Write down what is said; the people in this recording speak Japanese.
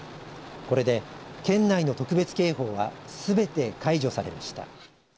これで県内の特別警報はすべて解除されました。